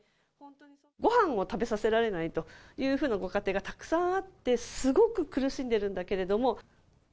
ごはんを食べさせられないというふうなご家庭がたくさんあって、すごく苦しんでるんだけれども。